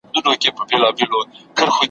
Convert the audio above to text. زور لرو زلمي لرو خو مخ د بلا نه نیسي `